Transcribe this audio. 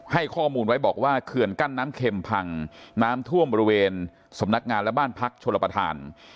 ให้ข้อมูลไว้บอกว่าเขื่อนกั้นน้ำเข็มพังน้ำท่วมบริเวณสำนักงานและบ้านพักชลประธาน